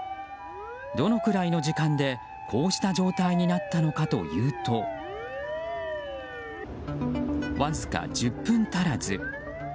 どのくらいの時間でこうした状態になったのかというとわずか１０分足らず。